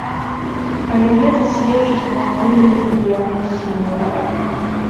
Але гэта сведчыць пра агульную папулярнасць сімвала.